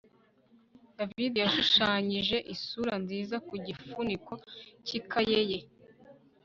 David yashushanyije isura nziza ku gifuniko cyikaye ye